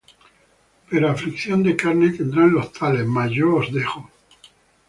pero aflicción de carne tendrán los tales; mas yo os dejo.